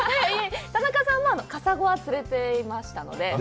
田中さんはカサゴは釣れていましたので。